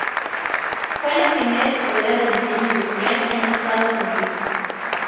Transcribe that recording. Fue la primera escuela de diseño industrial en Estados Unidos.